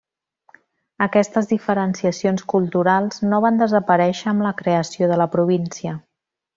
Aquestes diferenciacions culturals no van desaparèixer amb la creació de la província.